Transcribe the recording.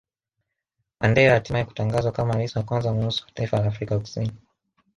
Mandela hatimae kutangazwa kama rais wa kwanza mweusi wa taifa la Afrika Kusini